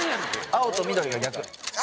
青と緑が逆？